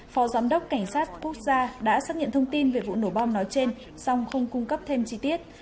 phó giám đốc cảnh sát quốc gia đã xác nhận thông tin về vụ nổ bom nói trên song không cung cấp thêm chi tiết